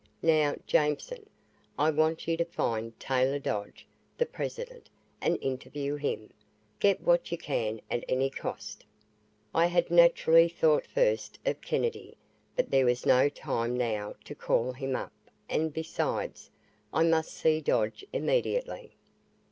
Now, Jameson, I want you to find Taylor Dodge, the president, and interview him. Get what you can, at any cost." I had naturally thought first of Kennedy, but there was no time now to call him up and, besides, I must see Dodge immediately.